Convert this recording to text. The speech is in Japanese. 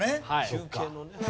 中継のね。